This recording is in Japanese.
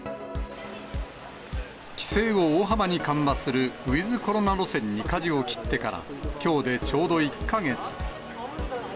規制を大幅に緩和するウィズコロナ路線にかじを切ってから、きょうでちょうど１か月。